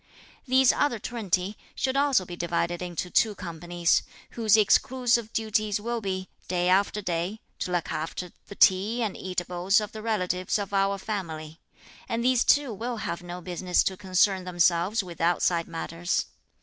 These other twenty should also be divided into two companies, whose exclusive duties will be, day after day, to look after the tea and eatables of the relatives of our family; and these too will have no business to concern themselves with outside matters.